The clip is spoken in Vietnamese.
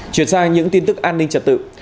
chuyển sang những tin tức an ninh trật tự